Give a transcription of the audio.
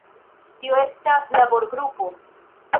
Tio estas laborgrupo.